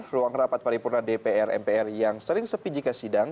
ruang rapat paripurna dpr mpr yang sering sepi jika sidang